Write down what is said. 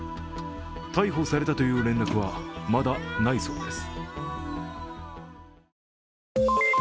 逮捕されたという連絡はまだないそうです。